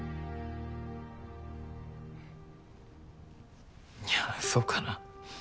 ふっいやそうかな。